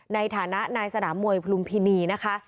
ในฐานะนายสนามมวยพลุมพินีนะคะ